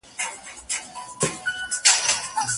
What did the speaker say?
هسي نوم د مرګي بد دی خبر نه دي عالمونه